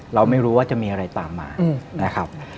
เราไม่รู้ว่าจะมีอะไรตามมานะครับ